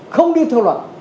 không đi theo luật